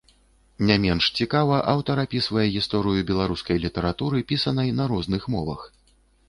Не менш цікава аўтар апісвае гісторыю беларускай літаратуры, пісанай на розных мовах.